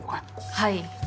はい。